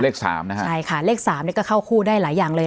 สามนะฮะใช่ค่ะเลขสามนี่ก็เข้าคู่ได้หลายอย่างเลย